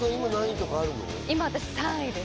今、私３位です。